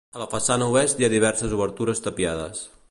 A la façana oest hi ha diverses obertures tapiades.